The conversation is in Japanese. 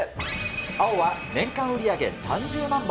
青は年間売り上げ３０万本。